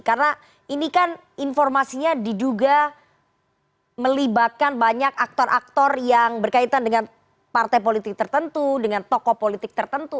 karena ini kan informasinya diduga melibatkan banyak aktor aktor yang berkaitan dengan partai politik tertentu dengan tokoh politik tertentu